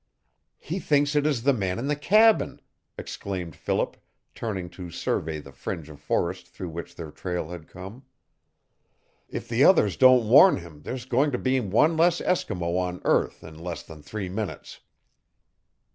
"He thinks it is the man in the cabin," exclaimed Philip, turning to survey the fringe of forest through which their trail had come. "If the others don't warn him there's going to be one less Eskimo on earth in less than three minutes!"